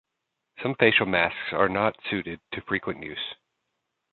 Some facial masks are not suited to frequent use.